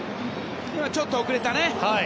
今、ちょっと遅れたね。